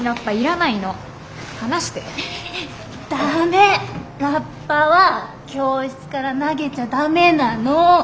駄目ラッパは教室から投げちゃ駄目なの。